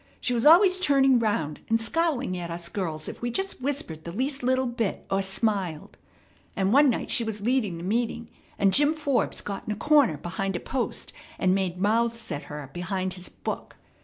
She was always turning round and scowling at us girls if we just whispered the least little bit, or smiled; and one night she was leading the meeting, and Jim Forbes got in a corner behind a post, and made mouths at her behind his book.